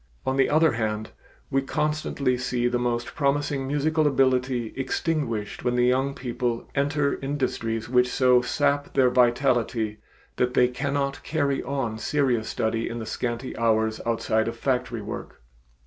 On the other hand, we constantly see the most promising musical ability extinguished when the young people enter industries which so sap their vitality that they cannot carry on serious study in the scanty hours outside of factory work.